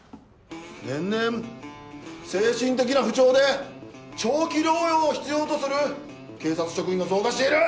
年々精神的な不調で長期療養を必要とする警察職員が増加している！